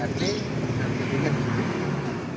dan diungsikan di sini